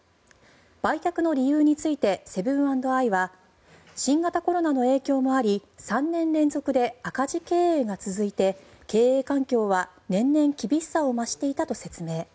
売却の理由についてセブン＆アイは新型コロナの影響もあり３年連続で赤字経営が続いて経営環境は年々厳しさを増していたと説明。